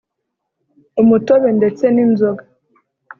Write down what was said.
umutobe ndetse n’inzoga